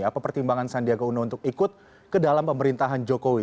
apa pertimbangan sandiaga uno untuk ikut ke dalam pemerintahan jokowi